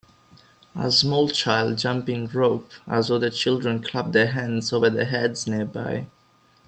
A small child jumping rope as other children clap their hands over their heads nearby.